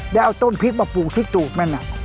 แล้วเอาต้นพริกมาปลูกที่ตูบมัน